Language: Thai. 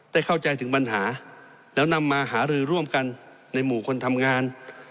เข้าใจถึงปัญหาแล้วนำมาหารือร่วมกันในหมู่คนทำงาน